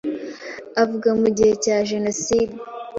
avuga mu gihe cya Jenoside